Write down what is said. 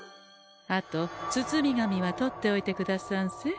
あと包み紙は取っておいてくださんせ。